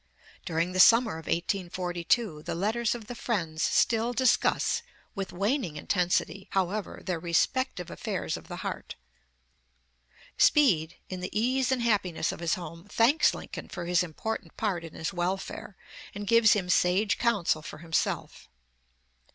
During the summer of 1842 the letters of the friends still discuss, with waning intensity, however, their respective affairs of the heart. Speed, in the ease and happiness of his home, thanks Lincoln for his important part in his welfare, and gives him sage counsel for himself.